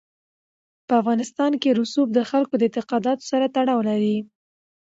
په افغانستان کې رسوب د خلکو د اعتقاداتو سره تړاو لري.